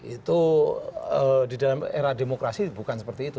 itu di dalam era demokrasi bukan seperti itu